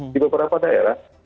di beberapa daerah